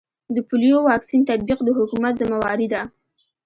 د پولیو واکسین تطبیق د حکومت ذمه واري ده